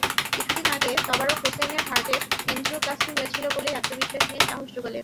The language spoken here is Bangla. কিছুদিন আগে তবারক হোসেইনের হার্টে এনজিওপ্লাস্টি হয়েছিল বলেই আত্মবিশ্বাস নিয়ে সাহস জোগালেন।